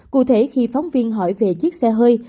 cụ thể khi phóng viên hỏi về chiếc xe hơi